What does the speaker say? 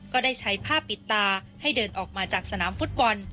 ก็ได้ใช้ผ้าปิดตาให้เดินออกมาจากสนามฟุตบอล